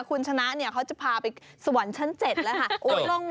คุณชนะเขาจะพาไปสวรรค์ชั้น๗แล้วค่ะ